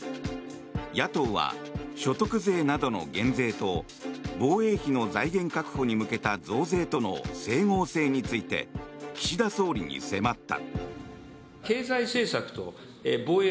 野党は所得税などの減税と防衛費の財源確保に向けた増税との整合性について岸田総理に迫った。